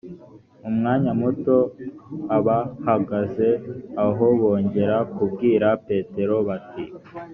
mu mwanya muto abahagaze aho bongera kubwira petero bati